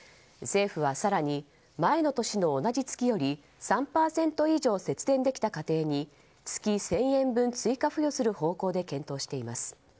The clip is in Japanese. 政府は更に前の年の同じ月より３％以上、節電できた家庭に月１０００円分、追加付与する方向で検討しています。